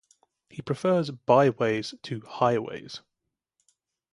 He prefers "bye-ways" to "highways".